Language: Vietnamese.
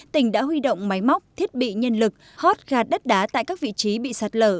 tỉnh đã huy động máy móc thiết bị nhân lực hót gạt đất đá tại các vị trí bị sạt lở